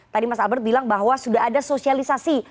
tadi mas albert bilang bahwa sudah ada sosialisasi